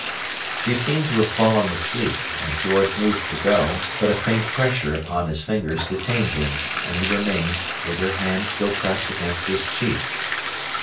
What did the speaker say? She seemed to have fallen asleep, and George moved to go, but a faint pressure upon his fingers detained him, and he remained, with her hand still pressed against his cheek.